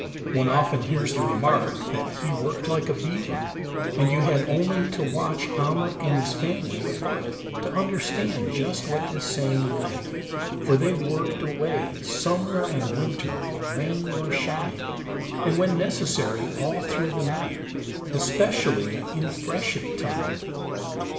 One often hears the remark that "he worked like a beaver," and you had only to watch Ahmuk and his family at work to understand just what this saying meant, for they worked away summer and winter, rain or shine, and, when necessary, all through the night, especially in freshet time.